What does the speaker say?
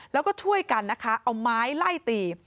แล้วก็ช่วยกันนะคะเอาไม้ไล่ตี